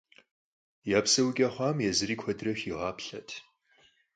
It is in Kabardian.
Я псэукӀэ хъуам езыри куэдрэ хигъаплъэрт.